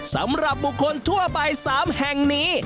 สำหรับบุคคลทั่วไป๓แห่งนี้